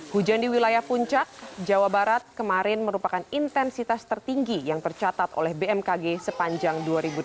hujan di wilayah puncak jawa barat kemarin merupakan intensitas tertinggi yang tercatat oleh bmkg sepanjang dua ribu delapan belas